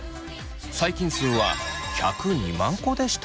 細菌数は１０２万個でした。